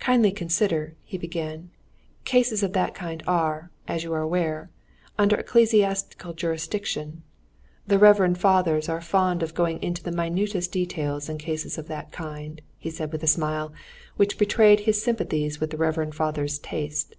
"Kindly consider," he began, "cases of that kind are, as you are aware, under ecclesiastical jurisdiction; the reverend fathers are fond of going into the minutest details in cases of that kind," he said with a smile, which betrayed his sympathy with the reverend fathers' taste.